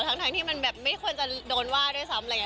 ทั้งที่มันแบบไม่ควรจะโดนว่าด้วยซ้ำอะไรอย่างนี้